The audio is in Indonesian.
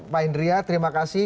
pak hendria terima kasih